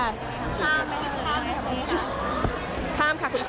ข้ามไปเรื่องข้ามกันครับนี้ค่ะ